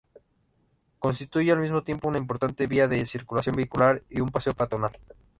Constituye al mismo tiempo una importante vía de circulación vehicular y un paseo peatonal.